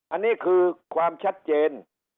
อันนี้คือความชัดเจน